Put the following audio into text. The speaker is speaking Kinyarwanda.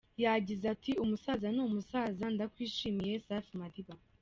Yagize ati “Umusaza ni umusaza, ndakwishimiye Safi Madiba.